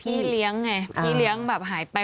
พี่เลี้ยงไงพี่เลี้ยงแบบหายไป